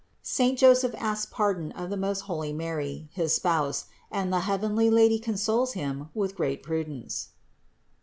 SAINT JOSEPH ASKS PARDON OF THE MOST HOLY MARY, HIS SPOUSE, AND THE HEAVENLY LADY CONSOLES HIM WITH GREAT PRUDENCE.